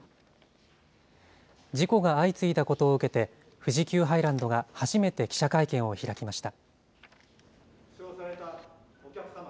事故が相次いだことを受けて、富士急ハイランドが初めて記者会見を開きました。